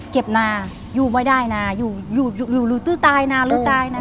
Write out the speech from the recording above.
เก็บน่ะอยู่ไม่ได้น่ะอยู่อยู่อยู่อยู่หรือตื้อตายน่ะหรือตายน่ะ